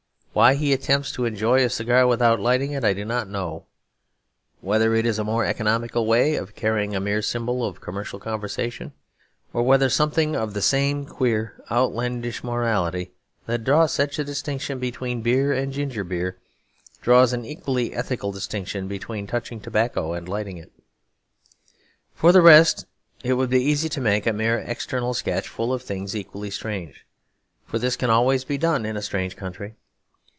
Why he attempts to enjoy a cigar without lighting it I do not know; whether it is a more economical way of carrying a mere symbol of commercial conversation; or whether something of the same queer outlandish morality that draws such a distinction between beer and ginger beer draws an equally ethical distinction between touching tobacco and lighting it. For the rest, it would be easy to make a merely external sketch full of things equally strange; for this can always be done in a strange country.